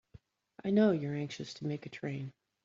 I know you're anxious to make a train.